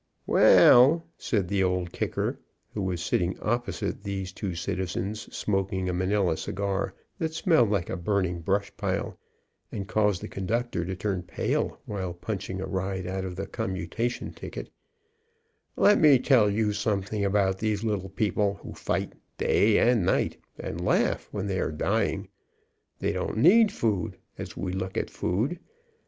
"Well," said the Old Kicker, who was sitting op posite these two citizens, smoking a Manila cigar, that smelled like a burning brush pile, and caused the con ductor to turn pale while punching a ride out of the commutation ticket, "let me tell you something about these little people who fight day and night, and laugh when they are dying. They don't need food, as we look at food.